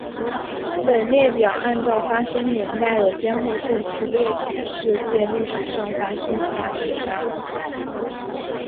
本列表按照发生年代的先后顺序列举世界历史上发生的大屠杀。